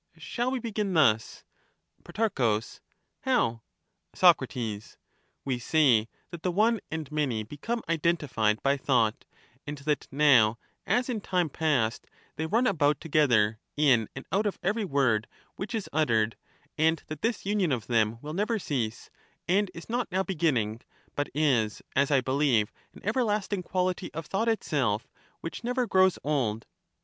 Shall we begin thus ? Pro. How? Soc, We say that the one and many become identified by thought, and that now, as in time past, they run about to gether, in and out of every word which is uttered, and that this union of them will never cease, and is not now beginning, but is, as I believe, an everlasting quality of thought itself, which never grows old.